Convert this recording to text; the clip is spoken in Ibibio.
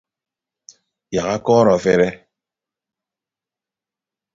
Yak akọọrọ afere.